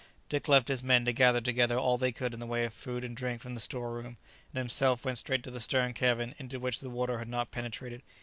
Dick left his men to gather together all they could in the way of food and drink from the store room, and himself went straight to the stern cabin, into which the water had not penetrated.